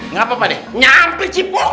ngapapa deh nyampe cipulkan